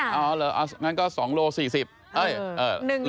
แต่พอเดินเข้ามาใกล้มันก็จะเห็นเองว่า